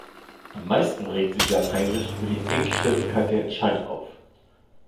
Am meisten regt sich Jan-Heinrich über die Engstirnigkeit der Entscheider auf.